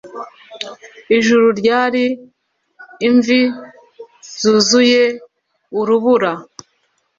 Ijuru ryari imvi zuzuye urubura